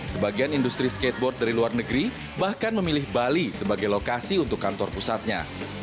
sebagian industri skateboard dari luar negeri bahkan memilih bali sebagai lokasi untuk kantor pusatnya